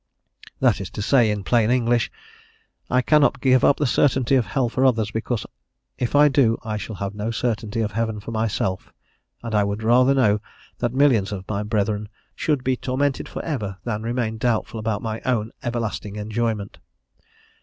That is to say in plain English: "I cannot give up the certainty of hell for others, because if I do I shall have no certainty of heaven for myself; and I would rather know that millions of my brethren should be tormented for ever, than remain doubtful about my own everlasting enjoyment."